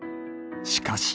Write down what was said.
［しかし］